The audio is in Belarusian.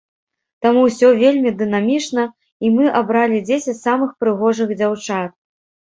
Таму ўсё вельмі дынамічна, і мы абралі дзесяць самых прыгожых дзяўчат.